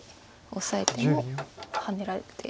オサえてもハネられて。